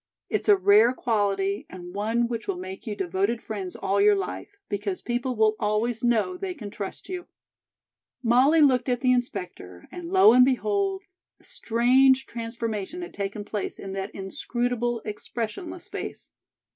"It's a rare quality, and one which will make you devoted friends all your life, because people will always know they can trust you." Molly looked at the inspector, and lo and behold, a strange transformation had taken place in that inscrutable, expressionless face.